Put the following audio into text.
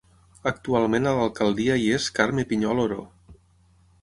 Actualment a l'alcaldia hi és Carme Pinyol Oró.